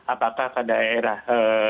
apakah ke daerah